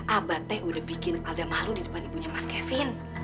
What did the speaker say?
abah t udah bikin alda malu di depan ibunya mas kevin